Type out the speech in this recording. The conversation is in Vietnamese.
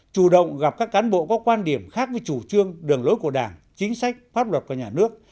chủ động gặp các cán bộ có quan điểm khác với chủ trương đường lối của đảng chính sách pháp luật của nhà nước